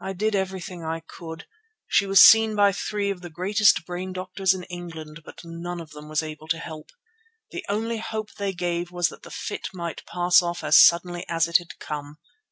"I did everything I could. She was seen by three of the greatest brain doctors in England, but none of them was able to help. The only hope they gave was that the fit might pass off as suddenly as it had come.